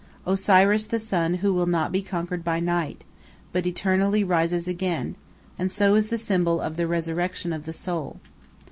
Osiris the sun who will not be conquered by night, but eternally rises again, and so is the symbol of the resurrection of the soul.